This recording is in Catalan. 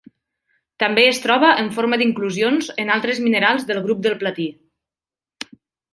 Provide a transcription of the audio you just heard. També es troba en forma d'inclusions en altres minerals del grup del platí.